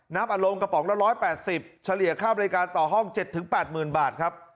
อารมณ์กระป๋องละ๑๘๐เฉลี่ยค่าบริการต่อห้อง๗๘๐๐๐บาทครับ